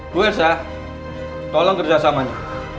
bu elsa tolong kerjasamanya